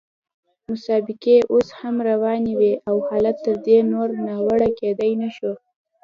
مسابقې اوس هم روانې وې او حالت تر دې نور ناوړه کېدای نه شو.